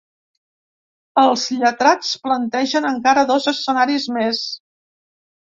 Els lletrats plantegen encara dos escenaris més.